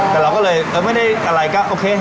แต่เราก็เลยไม่ได้อะไรก็โอเค